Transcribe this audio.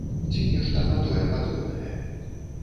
Ці нешта на тое падобнае.